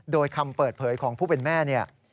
โดยคำเปิดเผยของผู้เป็นแม่เนี่ย